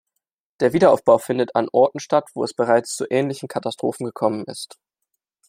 Der Wiederaufbau findet an Orten statt, wo es bereits zu ähnlichen Katastrophen gekommen ist.